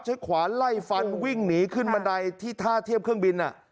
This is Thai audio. ขวานไล่ฟันวิ่งหนีขึ้นบันไดที่ท่าเทียบเครื่องบิน